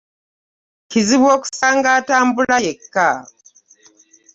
Kizibu okusanga atambula yekka.